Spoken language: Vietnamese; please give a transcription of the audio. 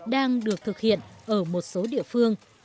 đang được thực hiện ở một số địa phương